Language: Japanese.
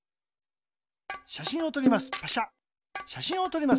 しゃしんをとります。